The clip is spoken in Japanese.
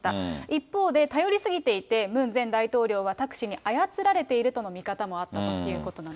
一方で、頼りすぎていて、ムン前大統領はタク氏に操られているとの見方もあったということ